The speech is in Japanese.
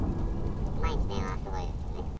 毎日電話がすごいですよね。